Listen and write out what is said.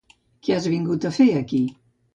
Què has vingut a fer aquí?